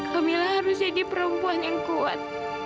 kemila harus jadi perempuan yang kuat